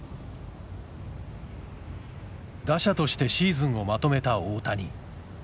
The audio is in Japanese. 打者としてシーズンをまとめた大谷。